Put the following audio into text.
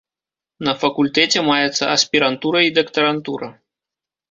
На факультэце маецца аспірантура і дактарантура.